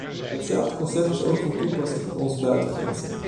Hetzelfde concept is ook van toepassing op onze buitengrenzen.